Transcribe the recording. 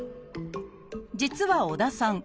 実は織田さん